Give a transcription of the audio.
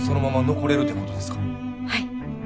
はい。